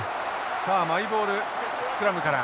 さあマイボールスクラムから。